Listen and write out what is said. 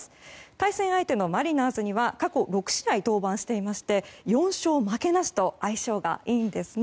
対戦相手のマリナーズには過去６試合登板していまして４勝負けなしと相性がいいんですね。